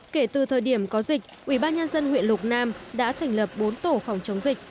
kể từ thời điểm có dịch ubnd huyện lục nam đã thành lập bốn tổ phòng chống dịch